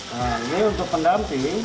nah ini untuk pendamping